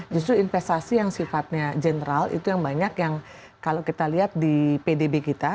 justru investasi yang sifatnya general itu yang banyak yang kalau kita lihat di pdb kita